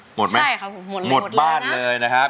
หมดบ้านเลยนะครับ